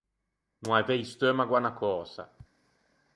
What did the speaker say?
No avei steumago à unna cösa.